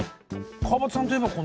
川畑さんといえばこの。